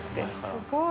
すごい。